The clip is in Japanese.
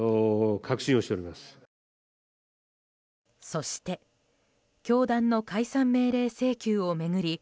そして教団の解散命令請求を巡り